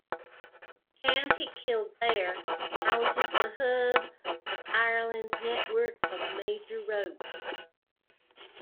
County Kildare houses the hub of Ireland's network of major roads.